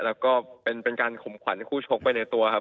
แล้วก็เป็นการขมขวัญคู่ชกไปในตัวครับ